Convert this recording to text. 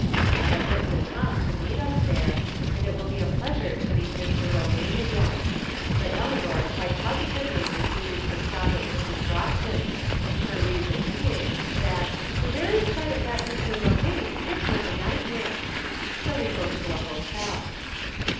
I have written to Tom to meet us there, and it will be a pleasure to meet Mr. Romaine again. But Eleanor quite positively refuses to stop at Mrs. Brocton's, her reason being that " the very sight of that Mr. Romaine gives her the nightmare !" So wc go to a hotel.